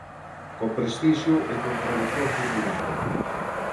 Con prestixio e con tradición formidábel.